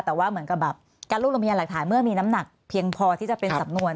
แต่ว่าเหมือนกับแบบการรวบรวมพยานหลักฐานเมื่อมีน้ำหนักเพียงพอที่จะเป็นสำนวน